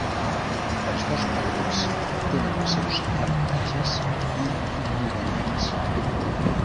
Els dos mètodes tenen els seus avantatges i inconvenients.